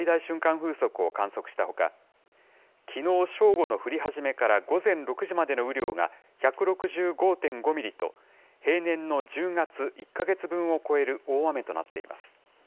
風速を観測したほか、きのう正午の降り始めから午前６時までの雨量が１６５．５ミリと、平年の１０月１か月分を超える大雨となっています。